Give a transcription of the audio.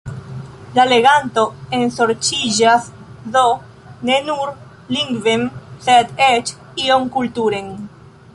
La leganto ensorĉiĝas do ne nur lingven, sed eĉ iom kulturen.